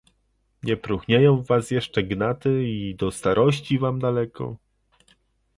"Nie próchnieją w was jeszcze gnaty i do starości wam daleko."